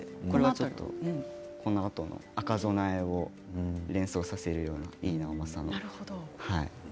このあと赤備えを連想させるような井伊直政の。